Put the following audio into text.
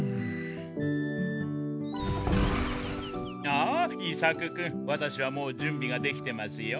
ああ伊作君ワタシはもうじゅんびができてますよ。